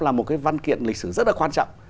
là một cái văn kiện lịch sử rất là quan trọng